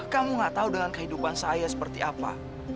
kamu gak tahu dengan kehidupan saya seperti apa